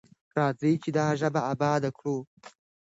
راځئ چې دا ژبه اباده کړو.